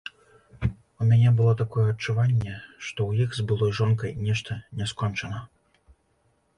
У мяне было такое адчуванне, што ў іх з былой жонкай нешта не скончана.